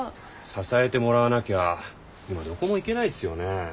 支えてもらわなきゃ今どこも行けないっすよね？